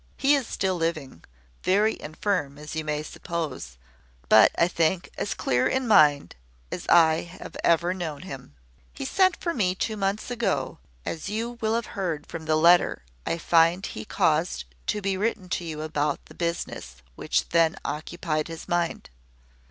He is still living, very infirm, as you may suppose, but, I think, as clear in mind as I have ever known him. He sent for me two months ago, as you will have heard from the letter I find he caused to be written to you about the business which then occupied his mind.